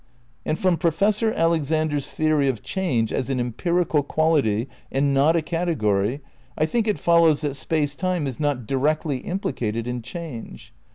And from Professor Alexander's theory of change as an empirical quality and not a category I think it follows that Space Time is not directly implicated in change.